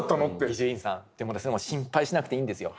伊集院さんでも心配しなくていいんですよ。